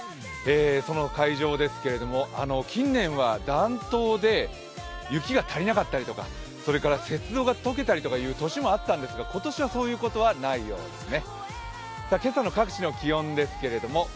その会場ですけれども、近年は暖冬で雪が足りなかったりとかそれから雪像が解けたりという年もあったんですが今年はそういうことはないようですね。